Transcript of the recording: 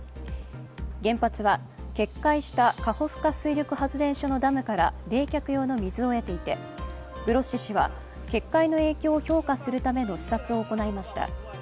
原発は、決壊したカホフカ水力発電所のダムから冷却用の水を得ていて、グロッシ氏は決壊の影響を評価するための視察を行いました。